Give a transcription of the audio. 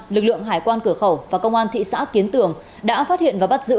lực lượng hải quan cửa khẩu và công an thị xã kiến tường đã phát hiện và bắt giữ